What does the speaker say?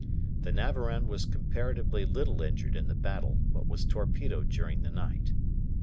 The "Navarin" was comparatively little injured in the battle, but was torpedoed during the night.